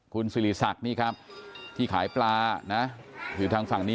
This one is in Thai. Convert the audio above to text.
คุณสิริสักที่ขายปลาอยู่ทางฝั่งนี้